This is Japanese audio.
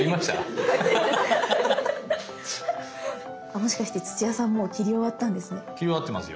もしかして土屋さんもう切り終わったんですね。